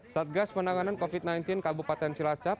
satgas penanganan covid sembilan belas kabupaten cilacap